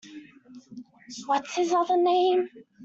What’s his other name?